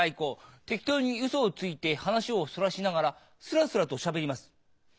適当にうそをついて話をそらしながらスラスラとしゃべります。